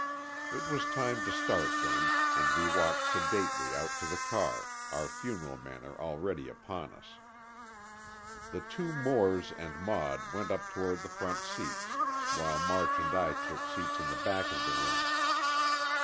It was time to start then, and we walked sedately out to the car, our funeral manner already upon us. The two Moores and Maud went up toward the front seats, while March and I took seats in the back of the room.